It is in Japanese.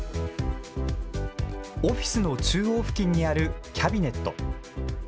オフィスの中央付近にあるキャビネット。